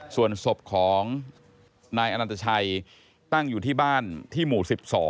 ส่วนศพของนายอนันตชัยตั้งอยู่ที่บ้านที่หมู่๑๒